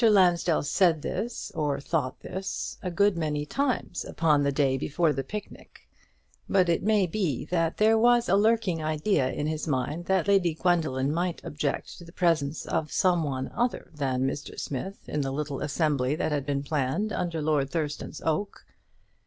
Lansdell said this, or thought this, a good many times upon the day before the picnic; but it may be that there was a lurking idea in his mind that Lady Gwendoline might object to the presence of some one other than Mr. Smith in the little assembly that had been planned under Lord Thurston's oak.